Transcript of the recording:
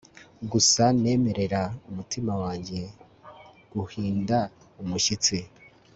gusa nemerera umutima wanjye guhinda umushyitsi